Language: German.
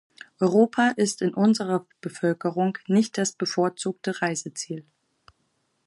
Europa ist in unserer Bevölkerung nicht das bevorzugte Reiseziel.